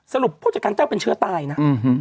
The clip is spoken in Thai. ผู้จัดการแต้วเป็นเชื้อตายนะ